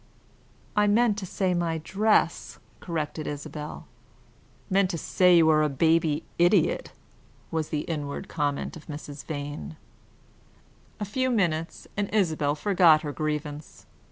"I meant to say my dress," corrected Isabel. "Meant to say you are a baby idiot!" was the inward comment of Mrs. Vane. A few minutes and Isabel forgot her grievance.